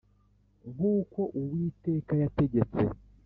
nk uko Uwiteka yategetse